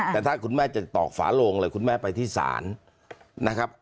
แต่ถ้าคุณแม่จะตอกฝาโลงเลยคุณแม่ไปที่ศาลนะครับ